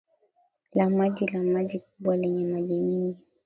la maji la maji kubwa lenye maji mingi